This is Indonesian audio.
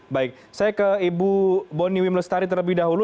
baik saya ke ibu boni wim lestari terlebih dahulu